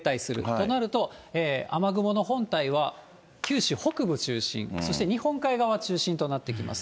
となると、雨雲の本体は九州北部中心、そして日本海側中心となってきます。